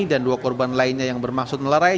dan dua korban lainnya yang bermaksud melarai